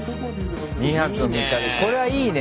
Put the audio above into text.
２泊３日でこれはいいね！